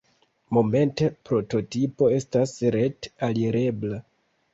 Momente prototipo estas ret-alirebla.